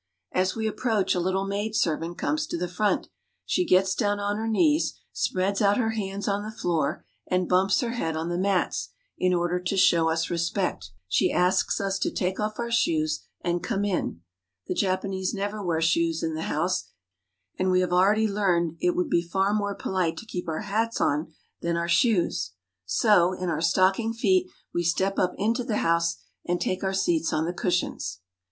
As we approach, a little maidservant comes to the front. She gets down on her knees, spreads out her hands on the floor, and bumps her head on the mats, in order to show us respect. She asks us to take off our shoes and come in. The Japanese never wear shoes in the house, and we have already learned that it would be far more polite to keep our hats on than our shoes. So, in our stocking feet, we step up into the house, and take our seats on the cushions.